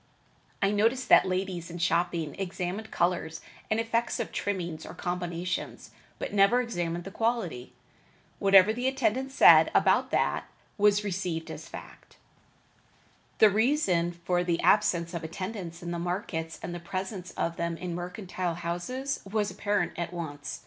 I noticed that ladies in shopping examined colors and effects of trimmings or combinations, but never examined the quality. Whatever the attendant said about that was received as a fact. The reason for the absence of attendants in the markets and the presence of them in mercantile houses was apparent at once.